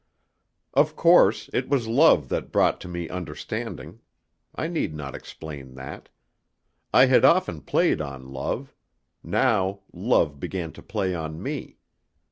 Of course, it was love that brought to me understanding. I need not explain that. I had often played on love; now love began to play on me.